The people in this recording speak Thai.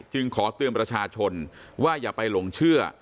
จึงขอเตือนประชาชนว่าอย่าไปหลงเชื่อ